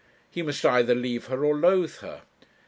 He must either leave her or loathe her.